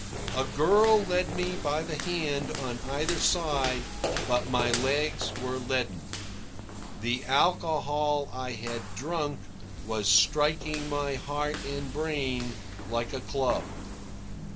A girl led me by the hand on either side, but my legs were leaden. The alcohol I had drunk was striking my heart and brain like a club.